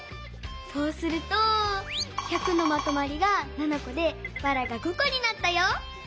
そうすると「１００」のまとまりが７こでばらが５こになったよ！